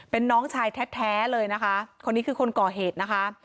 เป็นน้องชายแท้เลยนะคะคนนี้คือคนก่อเหตุนะคะ